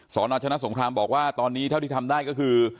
สนชนะสงครามบอกว่าตอนนี้เท่าที่ทำได้ก็คือ